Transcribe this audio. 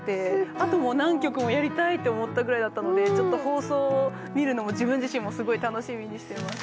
「あと何曲もやりたい」って思ったぐらいだったので放送を見るのも自分自身もすごい楽しみにしてます。